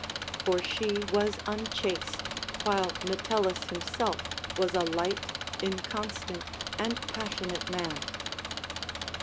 For she was unchaste, while Metelkis him self was a light, inconstant, and passionate man.